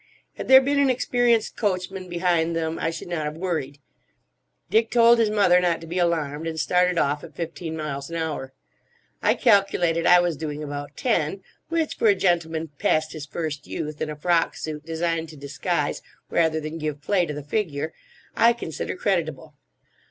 Had there been an experienced coachman behind them, I should not have worried. Dick told his mother not to be alarmed, and started off at fifteen miles an hour. I calculated I was doing about ten, which for a gentleman past his first youth, in a frock suit designed to disguise rather than give play to the figure, I consider creditable.